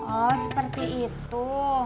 oh seperti itu